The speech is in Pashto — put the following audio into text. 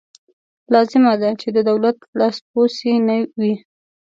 لازمه ده چې د دولت لاسپوڅې نه وي.